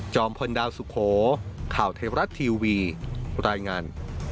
พลดาวสุโขข่าวเทวรัฐทีวีรายงาน